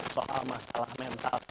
soal masalah mental